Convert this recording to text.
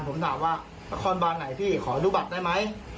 ผมถามว่านครบานไหนพี่ขออนุบัติได้ไหม